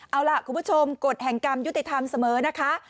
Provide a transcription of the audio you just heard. เอาล่ะคุณผู้ชมกฎแห่งกรรมยุติธรรมเสมอนะคะ